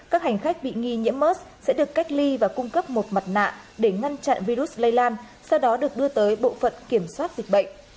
các hành khách bị nghi nhiễm mers sẽ được cách ly và cung cấp một mặt nạ để ngăn chặn virus lây lan sau đó được đưa tới bộ phận kiểm soát dịch bệnh